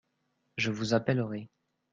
Je vous appellerai